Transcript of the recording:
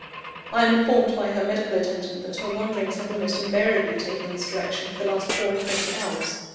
I am informed by her medical attendant, that her wanderings have almost invariably taken this direction for the last four and twenty hours.